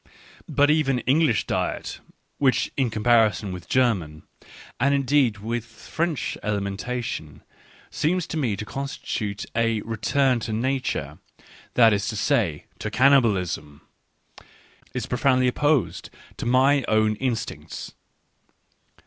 But even English diet, which in com parison with German, and indeed with French ali mentation, seems to me to constitute a " return to Nature," — that is to say, to cannibalism, — is pro foundly opposed to my own instincts.